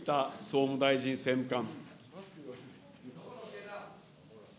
総務大臣政務官。